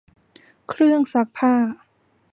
เครื่องซักผ้า